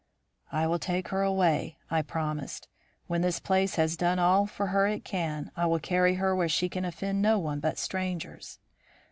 "'I will take her away,' I promised him. 'When this place has done all for her it can, I will carry her where she can offend no one but strangers.'